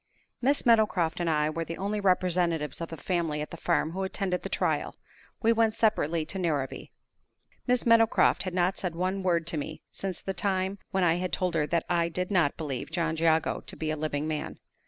MISS MEADOWCROFT and I were the only representatives of the family at the farm who attended the trial. We went separately to Narrabee. Excepting the ordinary greetings at morning and night, Miss Meadowcroft had not said one word to me since the time when I had told her that I did not believe John Jago to be a living man.